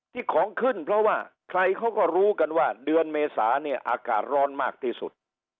ของขึ้นเพราะว่าใครเขาก็รู้กันว่าเดือนเมษาเนี่ยอากาศร้อนมากที่สุด